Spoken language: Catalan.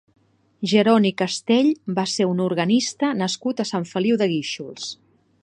Jeroni Castell va ser un organista nascut a Sant Feliu de Guíxols.